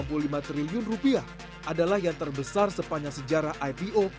alipay yang mencapai dua ratus delapan puluh lima triliun rupiah adalah yang terbesar sepanjang sejarah ipo